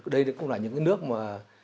đây cũng là những cái nước mà